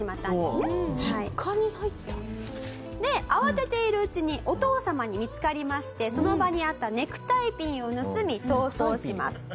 実家に入った？で慌てているうちにお父様に見つかりましてその場にあったネクタイピンを盗み逃走します。